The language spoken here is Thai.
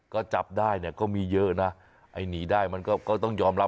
ก็จับได้เนี่ยก็มีเยอะนะไอ้หนีได้มันก็ต้องยอมรับ